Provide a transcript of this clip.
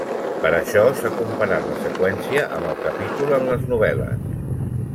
Per això s'ha comparat la seqüència amb el capítol en les novel·les.